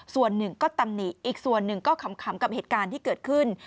ส่วนหนึ่งก็ตำหนิอีกส่วนหนึ่งก็ขำกับเหตุการณ์ที่เกิดขึ้น